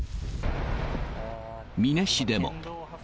美祢市でも。